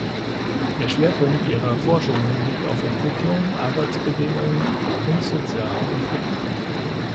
Der Schwerpunkt ihrer Forschungen liegt auf Entwicklung, Arbeitsbedingungen und sozialen Konflikten.